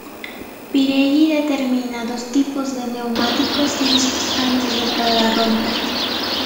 Pirelli determina dos tipos de neumáticos lisos antes de cada ronda.